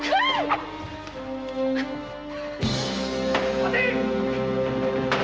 待て！